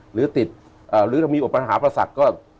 หรือติดหรือถ้ามีอพนฮาภรรษักษ์ก็